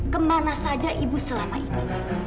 kemana saja ibu selama ini